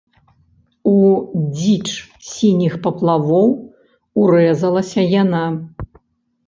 У дзіч сініх паплавоў урэзалася яна.